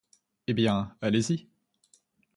Eh bien, allez-y.